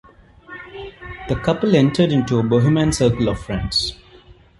The couple entered into a bohemian circle of friends.